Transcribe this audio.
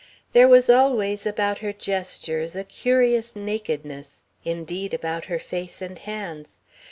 There was always about her gestures a curious nakedness indeed, about her face and hands.